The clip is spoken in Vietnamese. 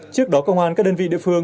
trước đó công an các đơn vị địa phương